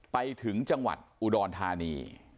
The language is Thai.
ไปถึงจังหวัดอุดรธานี